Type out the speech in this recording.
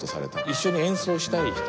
一緒に演奏したい人。